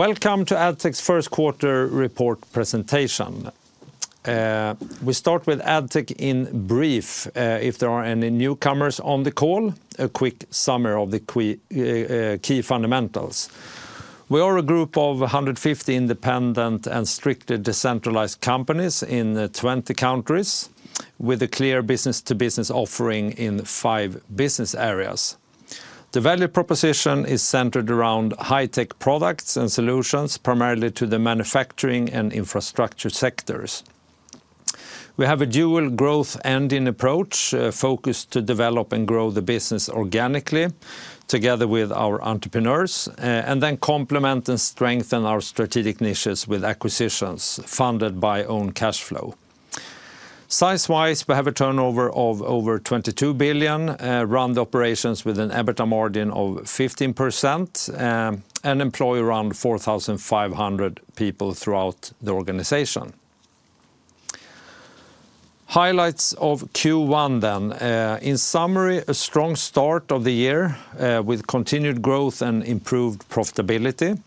Welcome to AdTech's First Quarter Report Presentation. We start with AdTech in brief. If there are any newcomers on the call, a quick summary of the key fundamentals. We are a group of 150 independent and strictly decentralized companies in 20 countries with a clear business to business offering in five business areas. The value proposition is centered around high-tech products and solutions primarily to the manufacturing and infrastructure sectors. We have a dual growth ending approach focused to develop and grow the business organically together with our entrepreneurs and then complement and strengthen our strategic niches with acquisitions funded by own cash flow. Size wise, we have a turnover of over 22,000,000,000, run the operations with an EBITDA margin of 15% and employ around 4,500 people throughout the organization. Highlights of Q1 then. In summary, a strong start of the year with continued growth and improved profitability.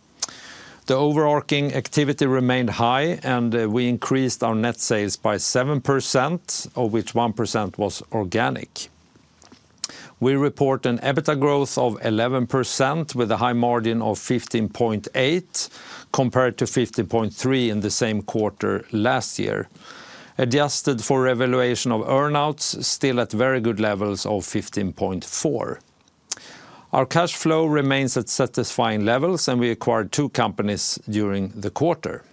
The overarching activity remained high and we increased our net sales by 7%, of which 1% was organic. We report an EBITDA growth of 11% with a high margin of 15.8% compared to 15.3 in the same quarter last year. Adjusted for revaluation of earnouts still at very good levels of 15.4%. Our cash flow remains at satisfying levels and we acquired two companies during the quarter.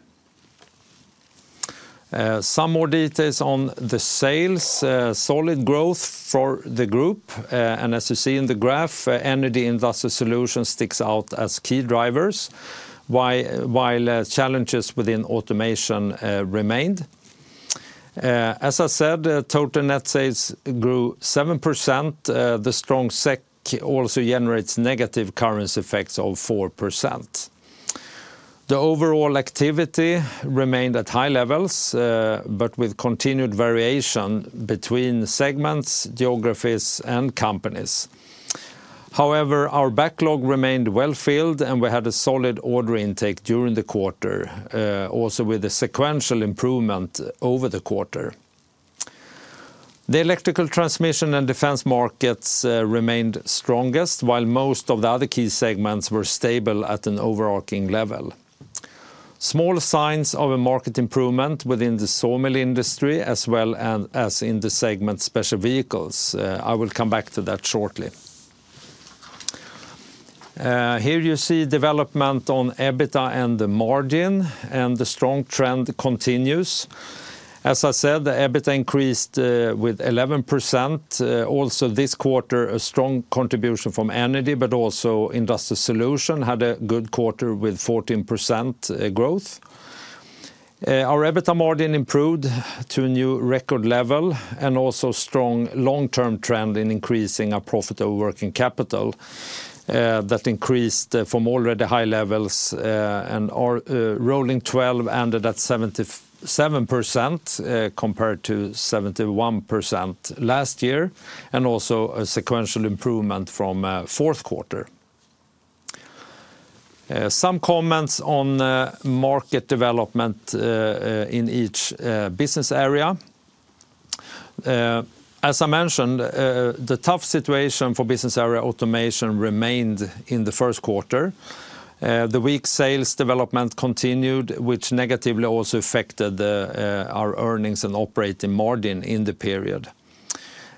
Some more details on the sales, solid growth for the group. And as you see in the graph, Energy Industrial Solutions sticks out as key drivers, while challenges within automation remained. As I said, total net sales grew 7%. The strong SEK also generates negative currency effects of 4%. The overall activity remained at high levels, but with continued variation between segments, geographies and companies. However, our backlog remained well filled and we had a solid order intake during the quarter, also with a sequential improvement over the quarter. The electrical transmission and defense markets remained strongest, while most of the other key segments were stable at an overarching level. Small signs of a market improvement within the sawmill industry as well as in the segment special vehicles. I will come back to that shortly. Here you see development on EBITDA and the margin and the strong trend continues. As I said, the EBITDA increased with 11%. Also this quarter, a strong contribution from Energy, but also Industrial Solutions had a good quarter with 14% growth. Our EBITA margin improved to a new record level and also strong long term trend in increasing our profit over working capital that increased from already high levels and Rolling 12 ended at 77% compared to 71% last year and also a sequential improvement from fourth quarter. Some comments on market development in each business area. As I mentioned, the tough situation for Business Area Automation remained in the first quarter. The weak sales development continued, which negatively also affected our earnings and operating margin in the period.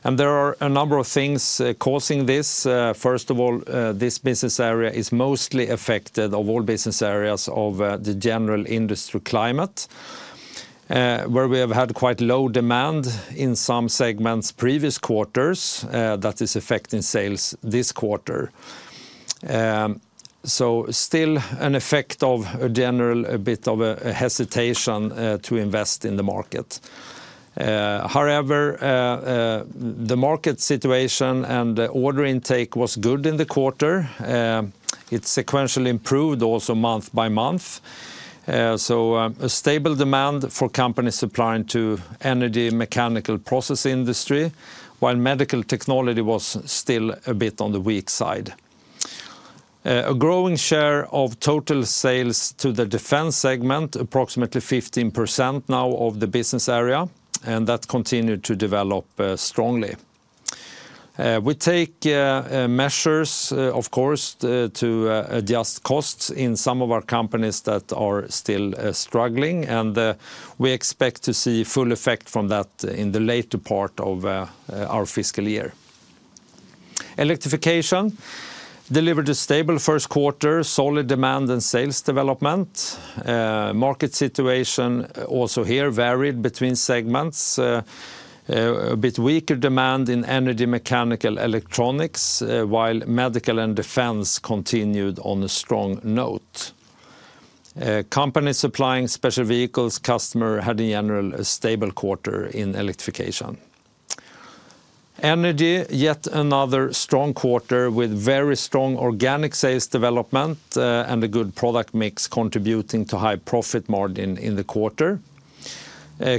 And there are a number of things causing this. First of all, this business area is mostly affected of all business areas of the general industry climate, where we have had quite low demand in some segments previous quarters that is affecting sales this quarter. So still an effect of a general a bit of a hesitation to invest in the market. However, the market situation and the order intake was good in the quarter. It sequentially improved also month by month. So a stable demand for companies supplying to energy mechanical process industry, while medical technology was still a bit on the weak side. A growing share of total sales to the Defense segment, approximately 15% now of the business area, and that continued to develop strongly. We take measures, of course, to adjust costs in some of our companies that are still struggling, and we expect to see full effect from that in the later part of our fiscal year. Electrification delivered a stable first quarter, solid demand and sales development. Market situation also here varied between segments, a bit weaker demand in energy mechanical electronics, while medical and defense continued on a strong note. Companies supplying special vehicles customer had a general stable quarter in electrification. Energy, yet another strong quarter with very strong organic sales development and a good product mix contributing to high profit margin in the quarter.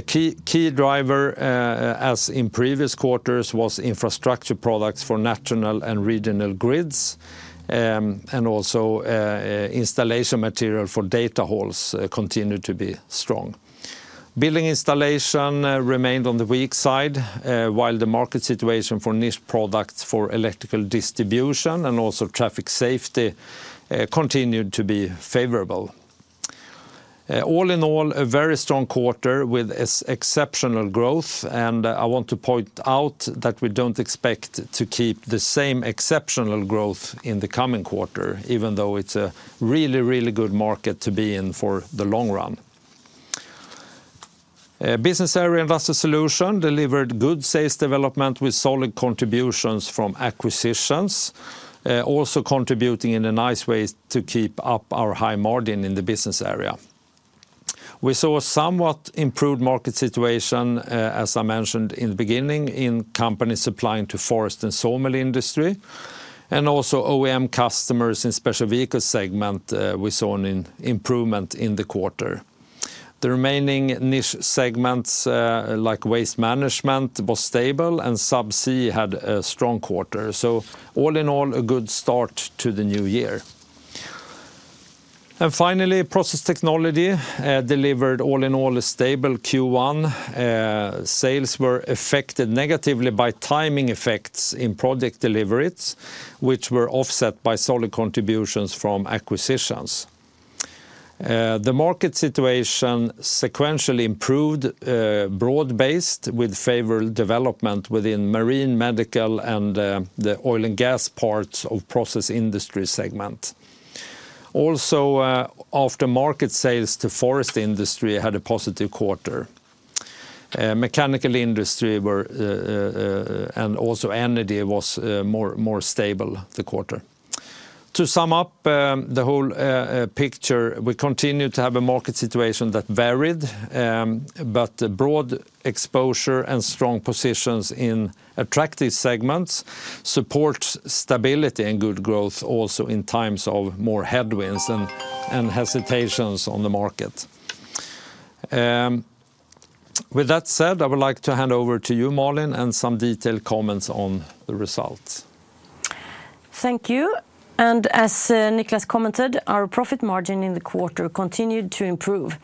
Key driver as in previous quarters was infrastructure products for national and regional grids and also installation material for data halls continued to be strong. Billing installation remained on the weak side, while the market situation for niche products for electrical distribution and also traffic safety continued to be favorable. All in all, a very strong quarter with exceptional growth. And I want to point out that we don't expect to keep the same exceptional growth in the coming quarter, even though it's a really, really good market to be in for the long run. Business Area Investor Solutions delivered good sales development with solid contributions from acquisitions, also contributing in a nice way to keep up our high margin in the business area. We saw a somewhat improved market situation, as I mentioned in the beginning, in companies supplying to forest and sawmill industry. And also OEM customers in Special Vehicles segment, we saw an improvement in the quarter. The remaining niche segments like waste management was stable and subsea had a strong quarter. So all in all, a good start to the New Year. And finally, Process Technology delivered all in all a stable Q1. Sales were affected negatively by timing effects in project deliveries, which were offset by solid contributions from acquisitions. The market situation sequentially improved broad based with favorable development within Marine, Medical and the Oil and Gas parts of Process Industries segment. Also aftermarket sales to forest industry had a positive quarter. Mechanical industry were and also energy was more stable the quarter. To sum up the whole picture, we continue to have a market situation that varied, but broad exposure and strong positions in attractive segments support stability and good growth also in times of more headwinds and hesitations on the market. With that said, I would like to hand over to you, Marlin, and some detailed comments on the results. Thank you. And as Niklas commented, our profit margin in the quarter continued to improve.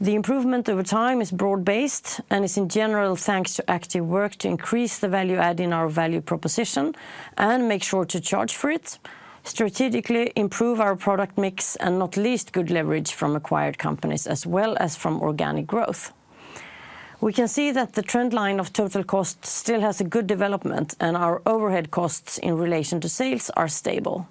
The improvement over time is broad based and is in general thanks to active work to increase the value add in our value proposition and make sure to charge for it, strategically improve our product mix and not least good leverage from acquired companies as well as from organic growth. We can see that the trend line of total costs still has a good development, and our overhead costs in relation to sales are stable.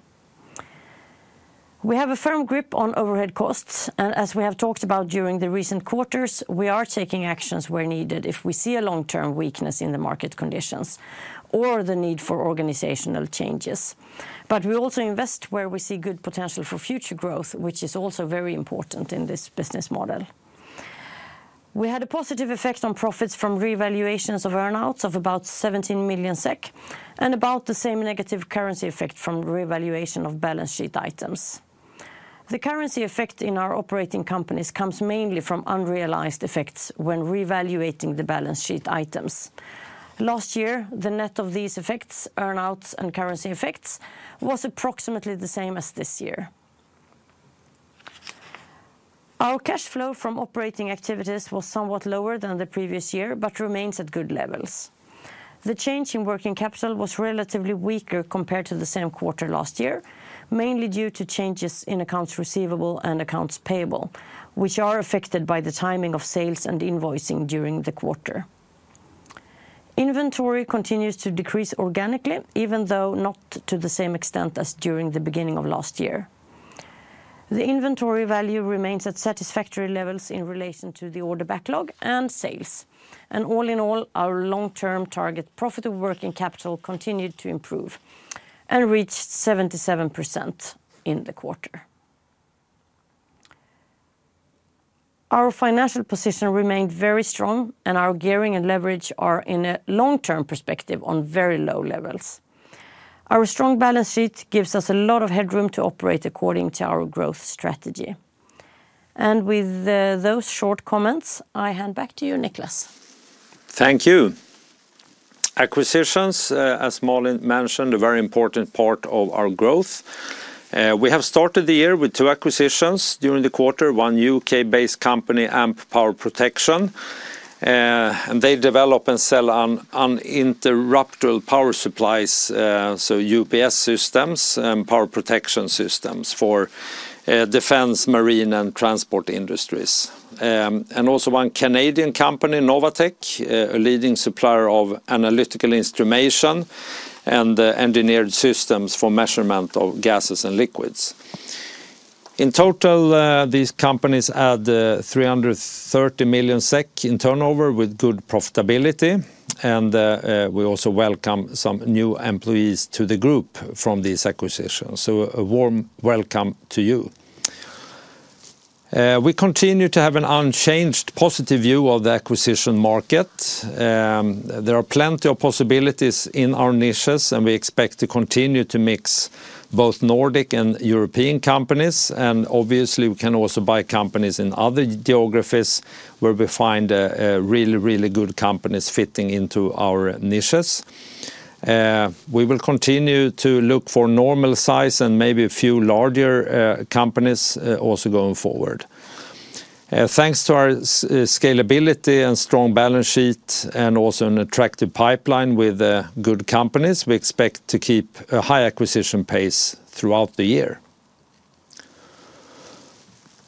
We have a firm grip on overhead costs. And as we have talked about during the recent quarters, we are taking actions where needed if we see a long term weakness in the market conditions, or the need for organizational changes. But we also invest where we see good potential for future growth, which is also very important in this business model. We had a positive effect on profits from revaluations of earn outs of about 17 million SEK, and about the same negative currency effect from revaluation of balance sheet items. The currency effect in our operating companies comes mainly from unrealized effects when reevaluating the balance sheet items. Last year, the net of these effects, earn outs and currency effects, was approximately the same as this year. Our cash flow from operating activities was somewhat lower than the previous year, but remains at good levels. The change in working capital was relatively weaker compared to the same quarter last year, mainly due to changes in accounts receivable and accounts payable, which are affected by the timing of sales and invoicing during the quarter. Inventory continues to decrease organically, even though not to the same extent as during the beginning of last year. The inventory value remains at satisfactory levels in relation to the order backlog and sales. And all in all, our long term target profitable working capital continued to improve and reached 77% in the quarter. Our financial position remained very strong, and our gearing and leverage are in a long term perspective on very low levels. Our strong balance sheet gives us a lot of headroom to operate according to our growth strategy. And with those short comments, I hand back to you, Niklas. Thank you. Acquisitions, as Malin mentioned, a very important part of our growth. We have started the year with two acquisitions during the quarter, one U. K.-based company AMP Power Protection. And they develop and sell uninterruptible power supplies, so UPS systems and power protection systems for defense, marine and transport industries. And also one Canadian company, Novatec, a leading supplier of analytical instrumentation and engineered systems for measurement of gases and liquids. In total, these companies add million in turnover with good profitability. And we also welcome some new employees to the group from these acquisitions. So a warm welcome to you. We continue to have an unchanged positive view of the acquisition market. There are plenty of possibilities in our niches, and we expect to continue to mix both Nordic and European companies. And obviously, we can also buy companies in other geographies where we find really, really good companies fitting into our niches. We will continue to look for normal size and maybe a few larger companies also going forward. Thanks to our scalability and strong balance sheet and also an attractive pipeline with good companies, we expect to keep a high acquisition pace throughout the year.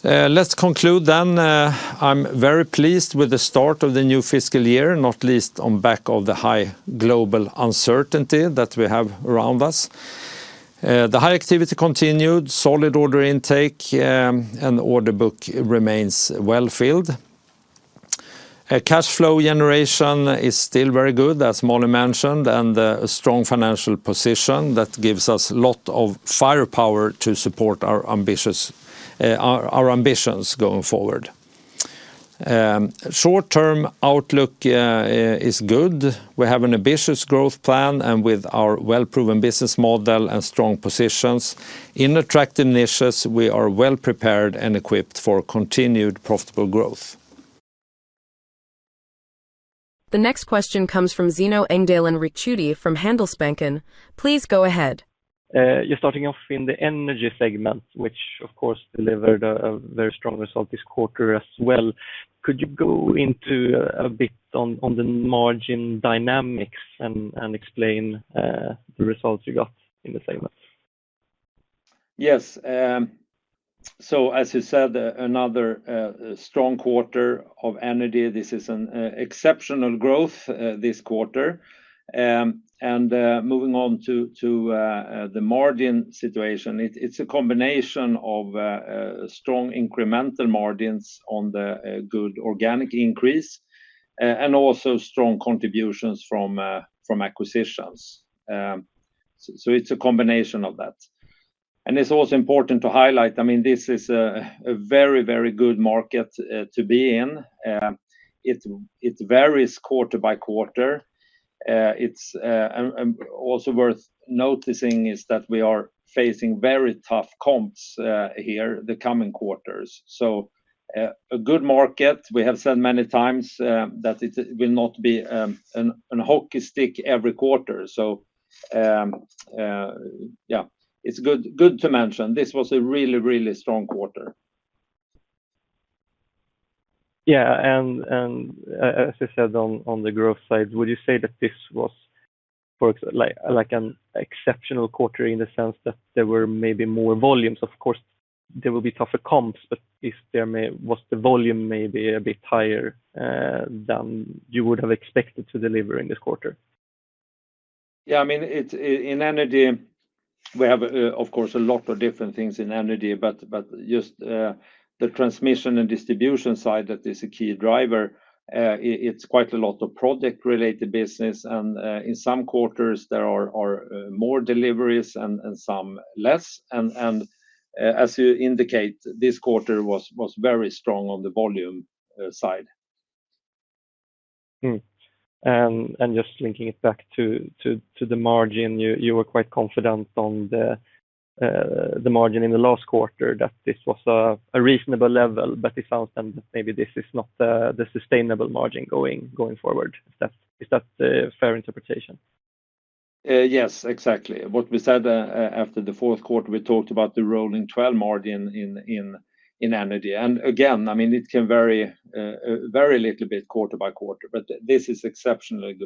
Let's conclude then. I'm very pleased with the start of the new fiscal year, not least on back of the high global uncertainty that we have around us. The high activity continued, solid order intake and order book remains well filled. Cash flow generation is still very good, as Molly mentioned, and a strong financial position that gives us a lot of firepower to support our ambitions going forward. Short term outlook is good. We have an ambitious growth plan and with our well proven business model and strong positions in attractive niches, we are well prepared and equipped for continued profitable growth. The next question comes from Zeno Engdalen Ricchiuti from Handelsbanken. Please go ahead. Just starting off in the Energy segment, which of course delivered a very strong result this quarter as well. Could you go into a bit on the margin dynamics and explain the results you got in the segment? Yes. So as you said, another strong quarter of Energy. This is an exceptional growth this quarter. And moving on to the margin situation, it's a combination of strong incremental margins on the good organic increase and also strong contributions from acquisitions. So it's a combination of that. And it's also important to highlight, I mean, this is a very, very good market to be in. It varies quarter by quarter. It's also worth noticing is that we are facing very tough comps here in the coming quarters. So a good market. We have said many times that it will not be an hockey stick every quarter. So yes, it's good to mention. This was a really, really strong quarter. Yes. And as I said on the growth side, would you say that this was, for like an exceptional quarter in the sense that there were maybe more volumes? Of course, there will be tougher comps, but if there may was the volume maybe a bit higher than you would have expected to deliver in this quarter? Yes. I mean, in Energy, we have, of course, a lot of different things in energy. But just the transmission and distribution side that is a key driver, it's quite a lot of project related business. And in some quarters, there are more deliveries and some less. And as you indicate, this quarter was very strong on the volume side. And just linking it back to the margin, you were quite confident on the margin in the last quarter that this was a reasonable level, but it sounds then that maybe this is not the sustainable margin going forward. Is that a fair interpretation? Yes, exactly. What we said after fourth quarter, we talked about the rolling 12 margin in in in energy. And, again, I mean, it can vary, vary a little bit quarter by quarter, but this is exceptionally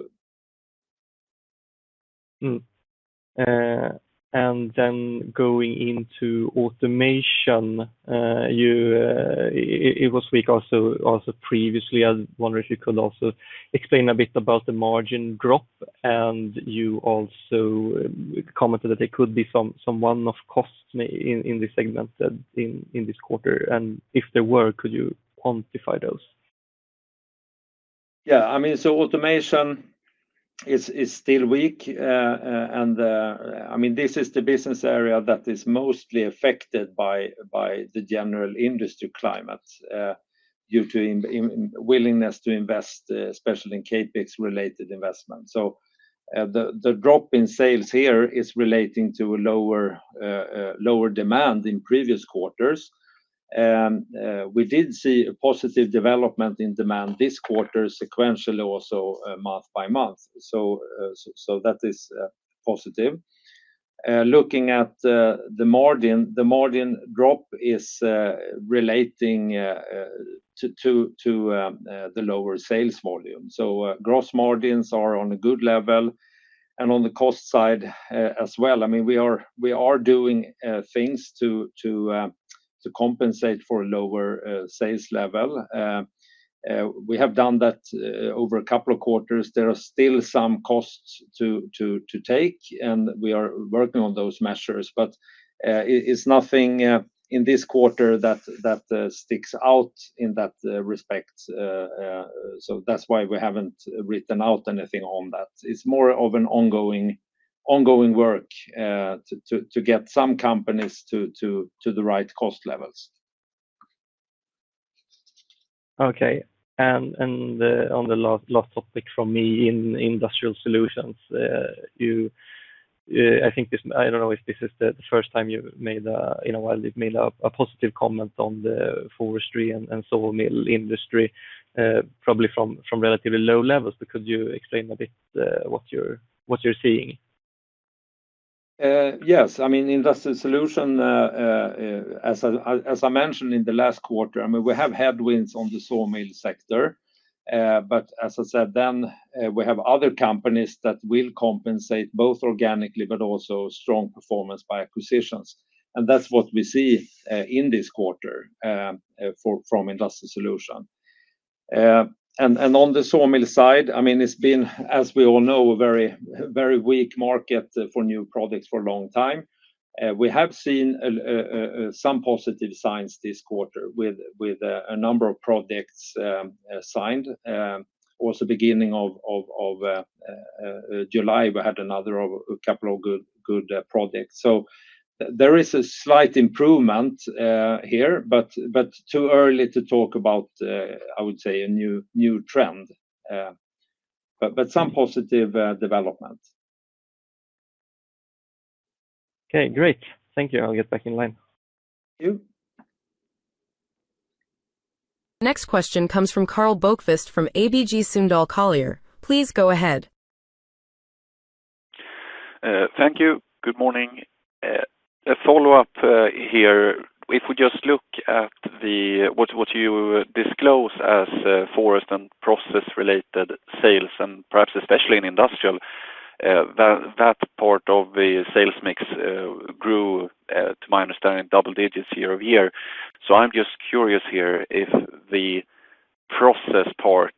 good. And then going into automation, you was weak also also previously. I wonder if you could also explain a bit about the margin drop, And you also commented that there could be some one off costs in this segment in this quarter. And if there were, could you quantify those? Yes. I mean, so automation is still weak. And I mean, this is the business area that is mostly affected by the general industry climate due to willingness to invest, especially in CapEx related investments. So the drop in sales here is relating to lower demand in previous quarters. We did see a positive development in demand this quarter sequentially also month by month. So that is positive. Looking at the margin, the margin drop is relating to the lower sales volume. So gross margins are on a good level. And on the cost side as well, I mean, we are doing things to compensate for lower sales level. We have done that over a couple of quarters. There are still some costs to take, and we are working on those measures. But it's nothing in this quarter that sticks out in that respect. So that's why we haven't written out anything on that. It's more of an ongoing work to to to get some companies to to to the right cost levels. Okay. And and on the last last topic from me in industrial solutions, you I think this I don't know if this is the first time you've made a in a while you've made a positive comment on the forestry and and solar mill industry, probably from from relatively low levels. But could you explain a bit, what you're what you're seeing? Yes. I mean, Industrial Solutions, as I mentioned in the last quarter, I mean, we have headwinds on the sawmill sector. But as I said, then we have other companies that will compensate both organically but also strong performance by acquisitions. And that's what we see in this quarter from Industrial Solutions. And on the sawmill side, I mean, it's been, as we all know, a very weak market for new products for a long time. We have seen some positive signs this quarter with a number of projects signed. Also July, we had another couple of good projects. So there is a slight improvement here, but too early to talk about, I would say, a new trend, but but some positive, development. Okay. Great. Thank you. I'll get back in line. Thank you. Next question comes from Karl Bokvist from ABG Sundal Collier. Please go ahead. Thank you. Good morning. A follow-up here. If we just look at the what you disclose as forest and process related sales and perhaps especially in industrial, that part of the sales mix grew, to my understanding, double digits year over year. So I'm just curious here if the process part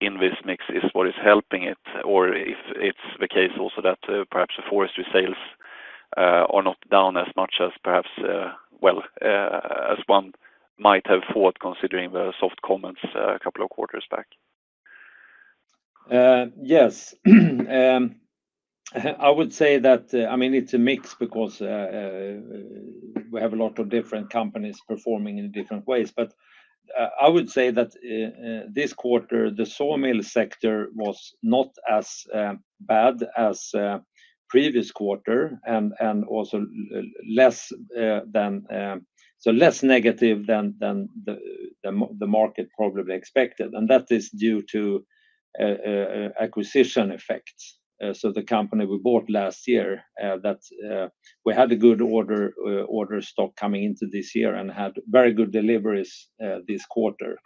in this mix is what is helping it Or if it's the case also that perhaps the forestry sales are not down as much as perhaps, well, as one might have thought considering the soft comments a couple of quarters back? Yes. I would say that I mean, it's a mix because we have a lot of different companies performing in different ways. But I would say that this quarter, the sawmill sector was not as bad as previous quarter and also less than so less negative than the market probably expected. And that is due to acquisition effects. So the company we bought last year that we had a good order stock coming into this year and had very good deliveries this quarter.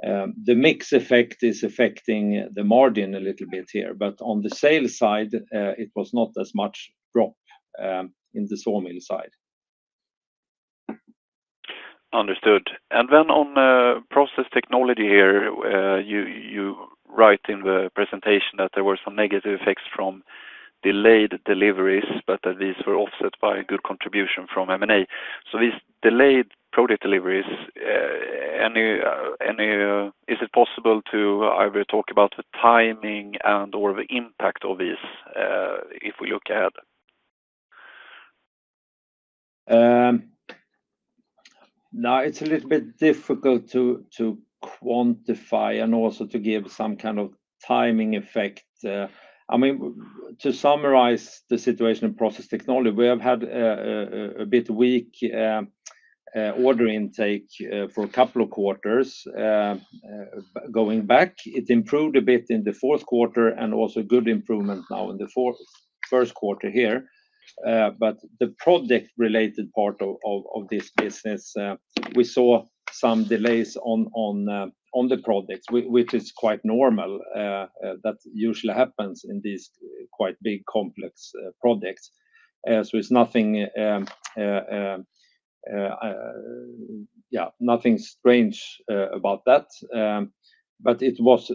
The mix effect is affecting the margin a little bit here. But on the sales side, it was not as much drop in the sawmill side. Understood. And then on Process Technology here, you write in the presentation that there were some negative effects from delayed deliveries, but these were offset by a good contribution from M and A. So these delayed project deliveries, any is it possible to either talk about the timing and or the impact of this, if we look ahead? No, it's a little bit difficult to quantify and also to give some kind of timing effect. I mean, to summarize the situation in Process Technology, we have had a bit weak order intake for a couple of quarters. Going back, it improved a bit in the fourth quarter and also good improvement now in the first quarter here. But the project related part of this business, we saw some delays on on on the projects, which is quite normal. That usually happens in these quite big complex projects. So it's nothing, yeah, nothing strange about that. But it was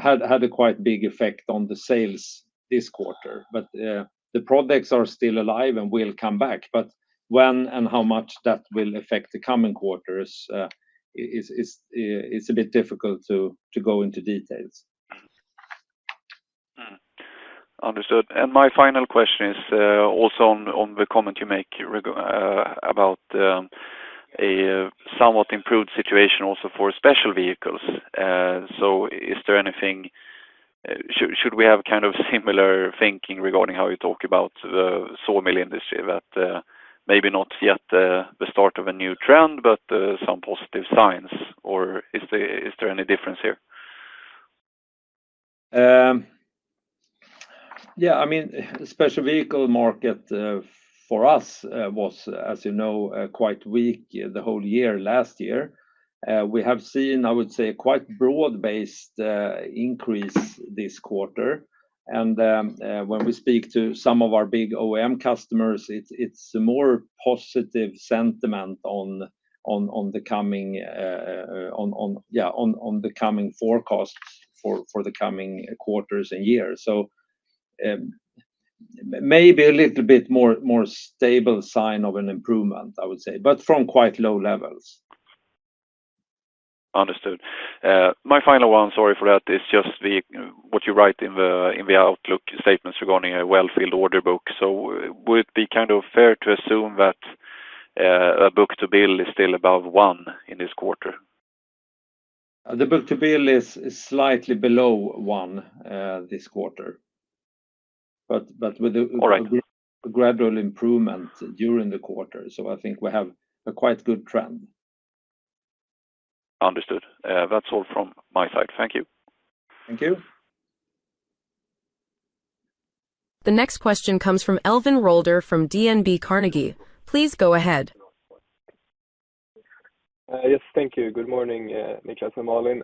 had had a quite big effect on the sales this quarter. But the products are still alive and will come back. But when and how much that will affect the coming quarters is a bit difficult to go into details. Understood. And my final question is also on the comment you make about a somewhat improved situation also for special vehicles. So is there anything should we have kind of similar thinking regarding how you talk about the sawmill industry that maybe not yet the start of a new trend, but some positive signs? Or is there any difference here? Yes. I mean, the special vehicle market for us was, as you know, quite weak the whole year last year. We have seen, I would say, quite broad based increase this quarter. And when we speak to some of our big OEM customers, it's a more positive sentiment on the coming yes, on the coming forecasts for the coming quarters and years. So maybe a little bit more stable sign of an improvement, I would say, but from quite low levels. Understood. My final one, sorry for that, is just the what you write in outlook statements regarding a well filled order book. So would it be kind of fair to assume that book to bill is still above one in this quarter? The book to bill is slightly below one this quarter, with a gradual improvement during the quarter. So I think we have a quite good trend. Understood. That's all from my side. Thank you. Thank you. The next question comes from Elvin Rolder from DNB Carnegie. Please go ahead. Yes. Thank you. Good morning, Nicholas and Marlin.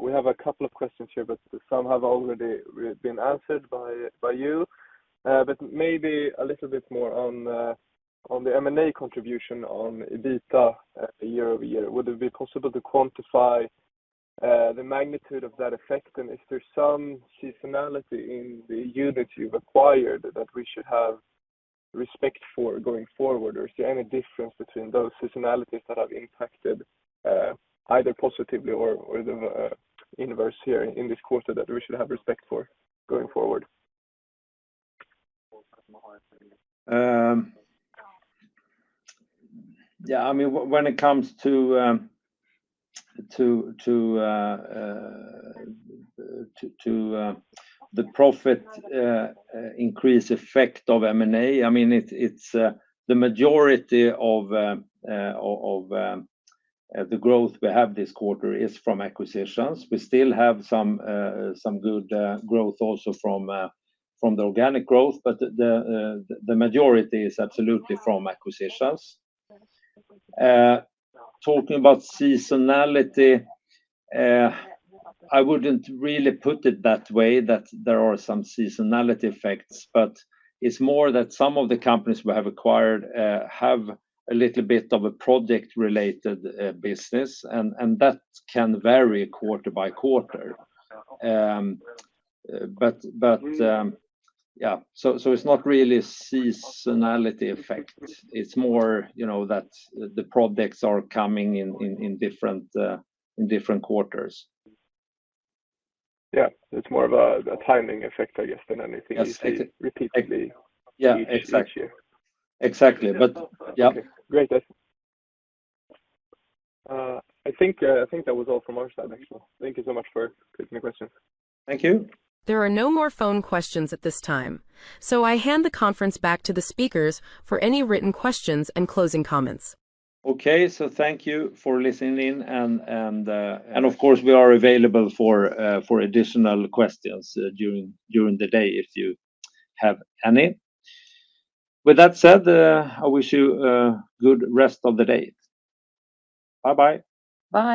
We have a couple of questions here, but some have already been answered by by you. But maybe a little bit more on on the M and A contribution on EBITDA year over year. Would it be possible to quantify, the magnitude of that effect? And if there's some seasonality in the units you've acquired that we should have respect for going forward, or is there any difference between those seasonalities that have impacted, either positively or or the inverse here in this quarter that we should have respect for going forward? Yes. I mean, when it comes to the profit increase effect of M and A. I mean, it's the majority of the growth we have this quarter is from acquisitions. We still have some good growth also from the organic growth, but the majority is absolutely from acquisitions. Talking about seasonality, I wouldn't really put it that way that there are some seasonality effects. But it's more that some of the companies we have acquired have a little bit of a project related business, and that can vary quarter by quarter. But but yeah. So so it's not really seasonality effect. It's more, you know, that the projects are coming in in in different in different quarters. Yeah. It's more of a a timing effect, I guess, than anything you see repeatedly Yeah. Exactly. But yep. Great. I think I think that was all from our side, actually. Thank you so much for taking the question. Thank you. There are no more phone questions at this time. So I hand the conference back to the speakers for any written questions and closing comments. Okay. So thank you for listening in. And of course, we are available for additional questions during the day if you have any. With that said, I wish you a good rest of the day. Bye bye. Bye.